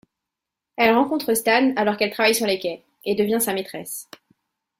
Elle rencontre Stan alors qu'elle travaille sur les quais, et devient sa maîtresse.